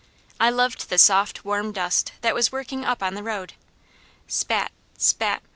I loved the soft warm dust, that was working up on the road. Spat! Spat!